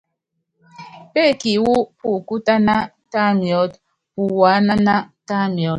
Péeki wú pukútáná, tá miɔ́t, puwaánáná, tá miɔ́t.